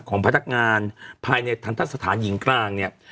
ของพนักงานภายในทันทะสถานหญิงกลางเนี่ย